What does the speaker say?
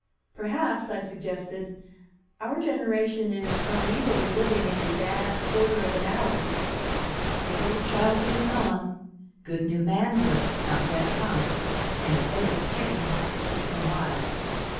"Perhaps," I suggested, "our generation is uneasily living in a 'bad quarter of an hour' good old childhood gone, good new manhood not yet come, and a state of chicken pox between whiles."